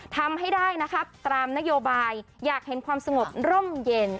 ทำให้ได้นะครับตามนโยบายอยากเห็นความสงบร่มเย็น